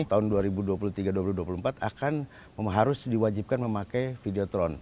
tahun dua ribu dua puluh tiga dua ribu dua puluh empat akan harus diwajibkan memakai videotron